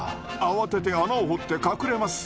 慌てて穴を掘って隠れます。